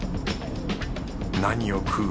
何を食う？